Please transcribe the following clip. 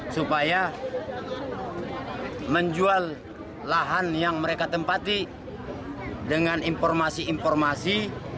supaya menjual lahan yang mereka tempati dengan informasi informasi